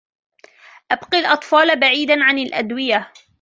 أبق الأطفال بعيدا عن الأدوية.